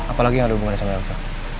apalagi yang ada hubungannya sama elsa